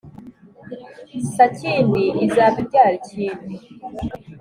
Sakindi izaba ibyara ikindi.